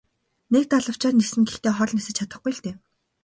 Нэг далавчаар ниснэ гэхдээ хол нисэж чадахгүй л дээ.